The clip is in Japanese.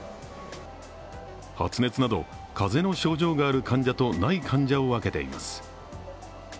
発熱など、風邪の症状がある患者とない患者を分けています。